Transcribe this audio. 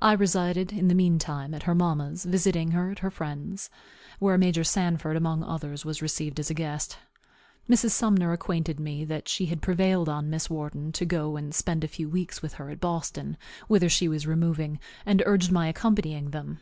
I resided, in the mean time, at her mamma's, visiting her at her friend's, where Major Sanford, among others, was received as a guest. Mrs. Sumner acquainted me that she had prevailed on Miss Wharton to go and spend a few weeks with her at Boston, whither she was removing, and urged my accompanying them.